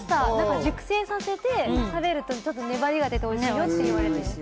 熟成させて食べると粘りが出て、おいしいよって言われて。